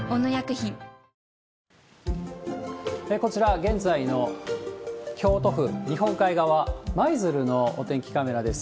現在の京都府日本海側、舞鶴のお天気カメラです。